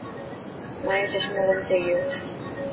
مايو چشمو گم ٿي گيو.